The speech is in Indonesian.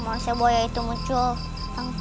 mata gue ini empat sekali